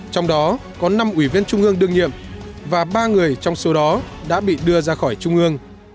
trong đó có năm ủy viên trung ương đương nhiệm và ba người trong số đó đã bị đưa ra khỏi trung ương